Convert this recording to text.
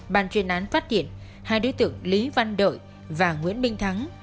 bàn truyền án phát hiện hai đối tượng lý văn đợi và nguyễn minh thắng